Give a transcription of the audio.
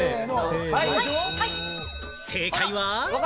正解は？